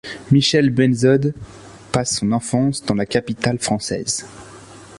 Michel Buenzod passe son enfance dans la capitale française.